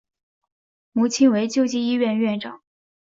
母亲为救济医院院长。